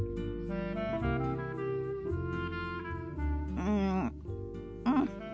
うんうん。